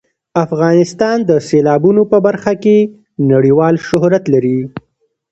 افغانستان د سیلابونه په برخه کې نړیوال شهرت لري.